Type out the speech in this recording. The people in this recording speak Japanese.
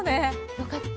よかった。